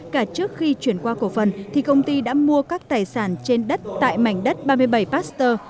cả trước khi chuyển qua cổ phần thì công ty đã mua các tài sản trên đất tại mảnh đất ba mươi bảy pasteur